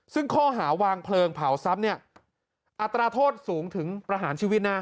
ซึ่งข้อหาวางเพลิงเผาทรัพย์เนี่ยอัตราโทษสูงถึงประหารชีวิตนะ